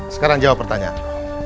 sekarang jawab pertanyaanku